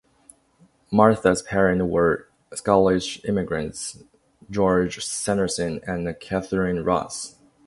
Martha's parents were Scottish immigrants George Sanderson and Catharine Ross.